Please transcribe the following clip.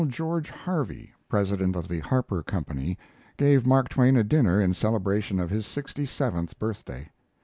George Harvey, president of the Harper Company, gave Mark Twain a dinner in celebration of his sixty seventh birthday.